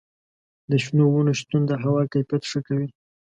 د شنو ونو شتون د هوا کیفیت ښه کوي.